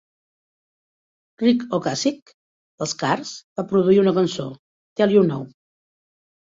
Ric Ocasek dels Cars va produir una cançó, "Tell You Now".